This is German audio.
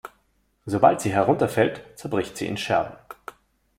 Sobald sie herunterfällt, zerbricht sie in Scherben.